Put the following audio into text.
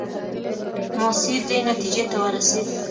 ماسیر دې نتیجې ته ورسېد.